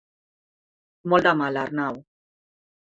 Molt de mal, Arnau.